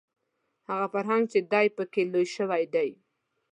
هغه فرهنګ چې دی په کې لوی شوی دی